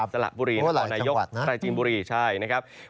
สละบุรีนครนายกปราจีนบุรีใช่นะครับ